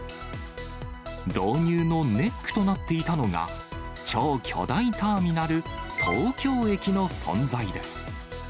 導入のネックとなっていたのが、超巨大ターミナル、東京駅の存在です。